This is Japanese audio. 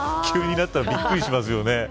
急になったらびっくりしますよね。